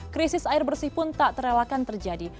krisis air bersih pun tak terelakkan terjadi